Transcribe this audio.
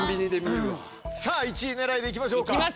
さぁ１位狙いで行きましょうか。